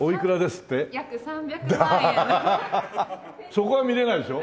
そこは見れないでしょ？